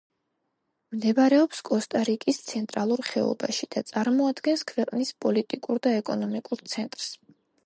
მდებარეობს კოსტა-რიკის ცენტრალურ ხეობაში და წარმოადგენს ქვეყნის პოლიტიკურ და ეკონომიკურ ცენტრს.